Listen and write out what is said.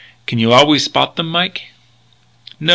"Can you always spot them, Mike?" "No.